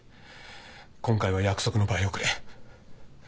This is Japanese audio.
今回は約束の倍をくれ。